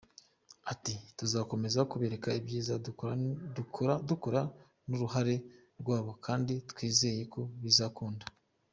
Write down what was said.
Ati “Tuzakomeza kubereka ibyiza dukora n’uruhare rwabo kandi twizeye ko bizakunda.